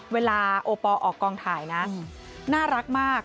โอปอลออกกองถ่ายนะน่ารักมาก